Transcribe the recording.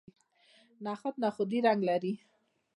نخود نخودي رنګ لري.